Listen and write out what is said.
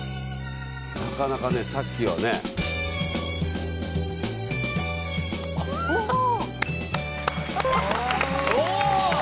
なかなかねさっきのはね。おおーっ！